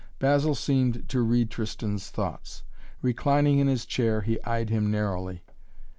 Basil seemed to read Tristan's thoughts. Reclining in his chair, he eyed him narrowly.